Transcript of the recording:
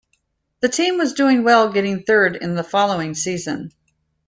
The team was doing well getting third in the following season.